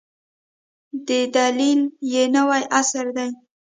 د دلیل یې نوی عصر دی.